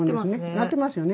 なってますね。